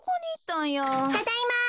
ただいま。